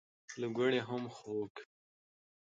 له ګوړې هم خوږې.